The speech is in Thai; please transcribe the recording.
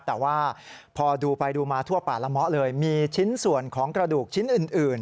แต่ว่าพอดูไปดูมาทั่วป่าละเมาะเลยมีชิ้นส่วนของกระดูกชิ้นอื่น